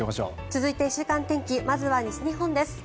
続いて週間天気まずは西日本です。